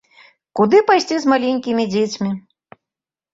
Куды пайсці з маленькімі дзецьмі?